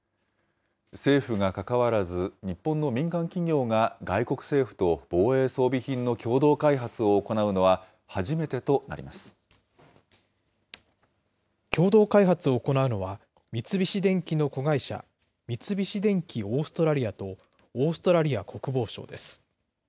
政府が関わらず、日本の民間企業が外国政府と防衛装備品の共同開発を行うのは初め共同開発を行うのは、三菱電機の子会社、三菱電機オーストラリアとオーストラリア国防省です。